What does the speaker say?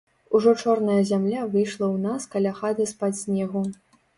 Ужо чорная зямля выйшла ў нас каля хаты з-пад снегу.